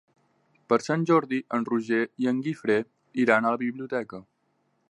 Per Sant Jordi en Roger i en Guifré iran a la biblioteca.